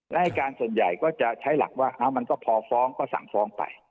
และให้การส่วนใหญ่ก็จะใช้หลักว่ามันก็พอฟ้องก็สั่งฟ้องไป